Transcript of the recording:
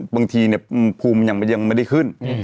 บางทีเนี่ยพุมยังไม่ได้ขึ้น